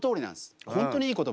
本当にいい言葉。